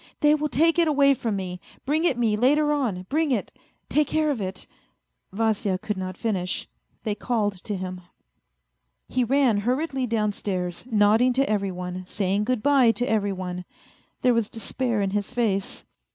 " They will take it away from me. Bring it me later on ; bring it ... take care 198 A FAINT HEART of it. ..." Vasya could not finish, they called to him. He ran hurriedly downstairs, nodding to every one, saying good bye to every one. There was despair in his face.